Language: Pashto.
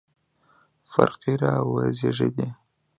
فرقې راوزېږېدې.